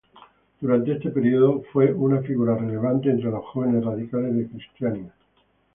Durante este período, fue una figura relevante entre los jóvenes radicales de Kristiania.